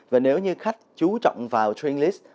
và nếu như khách chú trọng vào train list